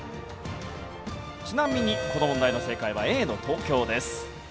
ちなみにこの問題の正解はＡの東京です。